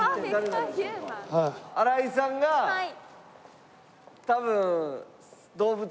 新井さんが多分。